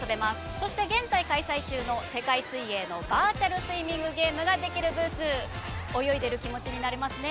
そして現在開催中の世界水泳のバーチャルスイミングゲームができるブース泳いでいる気持ちになれますね。